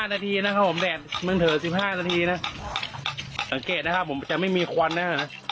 ๑๕๑๕นาทีนะพอผมแบบเมื่อกี้๑๕นาทีแล้วสังเกตุนะครับผมจะไม่มีควันนะ